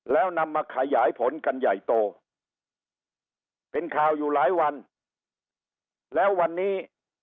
แล้วนำมาขยายผลกันใหญ่โตเป็นข่าวอยู่หลายวันแล้ววันนี้